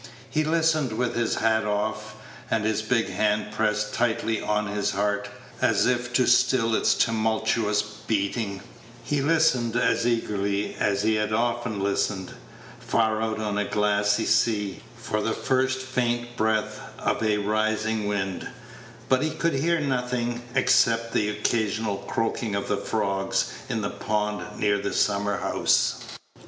He listened with his hat off, and his big hand pressed tightly on his heart, as if to still its tumultuous beating; he listened as eagerly as he had often listened, far out on a glassy sea, for the first faint breath of a rising wind; but he could hear nothing except the occasional croaking of the frogs in the pond near the summer house.